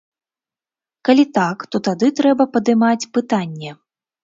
Калі так, то тады трэба падымаць пытанне.